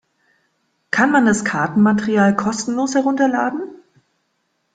Kann man das Kartenmaterial kostenlos herunterladen?